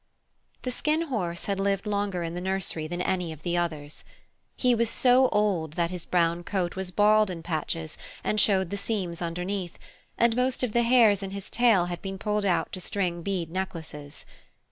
The Skin Horse had lived longer in the nursery than any of the others. He was so old that his brown coat was bald in patches and showed the seams underneath, and most of the hairs in his tail had been pulled out to string bead necklaces.